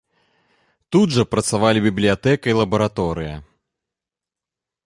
Тут жа працавалі бібліятэка і лабараторыя.